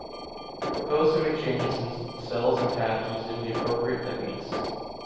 Propose and make changes in cells and tabs using the appropriate techniques.